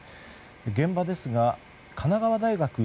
現場ですが、神奈川大学